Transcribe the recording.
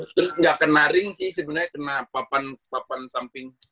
terus nggak kena ring sih sebenarnya kena papan papan samping